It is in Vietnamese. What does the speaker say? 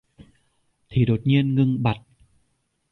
Thì đột nghiên ngưng bặt